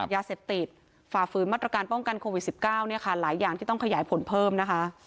ยาเสพติดฝ่าฝืนมาตรการป้องกันโควิด๑๙เนี่ยค่ะหลายอย่างที่ต้องขยายผลเพิ่มนะคะ